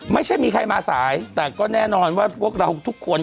ไม่ใช่มีใครมาสายแต่ก็แน่นอนว่าพวกเราทุกคน